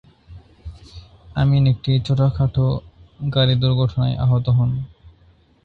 আমিন একটি ছোটখাটো গাড়ি দুর্ঘটনায় আহত হন।